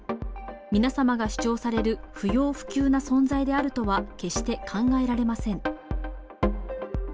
皆様が主張される不要不急な存在であるとは、決して考えられません。